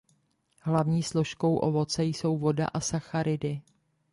Hlavní složkou ovoce jsou voda a sacharidy.